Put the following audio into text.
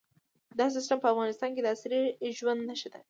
دا سیستم په افغانستان کې د عصري ژوند نښه ده.